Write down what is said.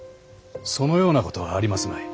そのようなことはありますまい。